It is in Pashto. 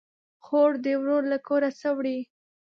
خور ده ورور له کوره سه وړي